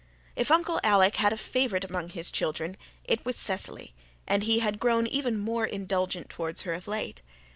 If Uncle Alec had a favourite among his children it was Cecily, and he had grown even more indulgent towards her of late.